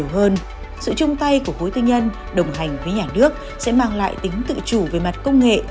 hơn sự chung tay của hối tư nhân đồng hành với nhà nước sẽ mang lại tính tự chủ về mặt công nghệ